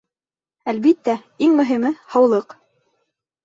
Әлбиттә, иң мөһиме — һаулыҡ.